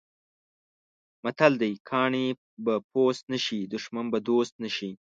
متل دی: کاڼی به پوست نه شي، دښمن به دوست نه شي.